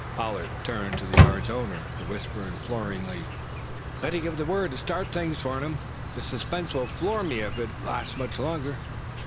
Pollard turned to the yard's owner, to whisper imploringly: "Better give the word and start things, Farnum. The suspense will floor me if it lasts much longer."